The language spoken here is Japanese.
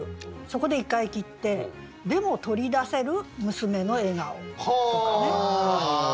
そこで一回切って「でも取り出せる娘の笑顔」とかね。